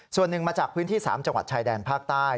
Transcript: ส่วนหนึ่งมาจากพื้นที่๓จังหวัดชายแดนภาคใต้